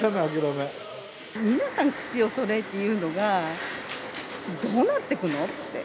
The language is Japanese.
皆さん、口をそろえて言うのが、どうなってくのって。